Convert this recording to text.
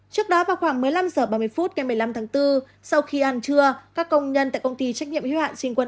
trước đó vào khoảng một mươi năm h ba mươi phút ngày một mươi năm tháng bốn sau khi ăn trưa các công nhân tại công ty trách nhiệm hiếu hạn sinh quân